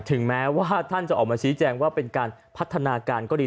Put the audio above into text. ถึงแม้ว่าท่านจะออกมาชี้แจงว่าเป็นการพัฒนาการก็ดี